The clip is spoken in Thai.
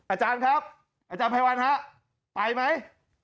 อาจารย์ครับอาจารย์ไพรวันฮะไปไหม